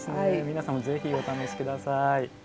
皆さんもぜひお試し下さい。